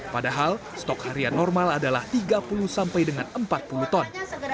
padahal stok harian normal adalah tiga puluh sampai dengan empat puluh ton